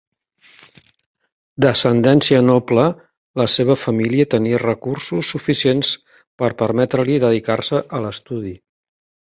D'ascendència noble, la seva família tenia recursos suficients per permetre-li dedicar-se a l'estudi.